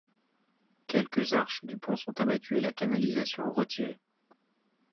Quelques arches du pont sont abattues et la canalisation retirée.